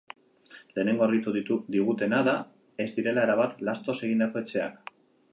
Lehenengo argitu digutena da ez direla erabat lastoz egindako etxeak.